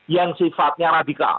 yang sifatnya radikal